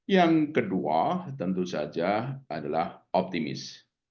yang kedua tentu saja adalah optimis